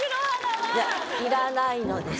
いらないのです。